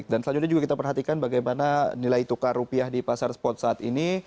dan selanjutnya juga kita perhatikan bagaimana nilai tukar rupiah di pasar spot saat ini